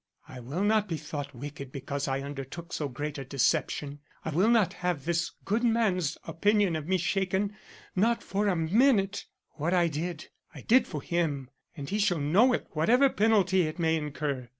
I will not be thought wicked because I undertook so great a deception. I will not have this good man's opinion of me shaken; not for a minute; what I did, I did for him and he shall know it whatever penalty it may incur.